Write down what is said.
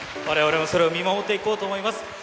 われわれもそれを見守っていこうと思います。